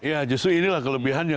ya justru inilah kelebihan ya